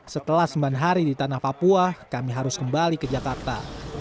setelah sembilan hari di tanah papua kami harus kembali ke jakarta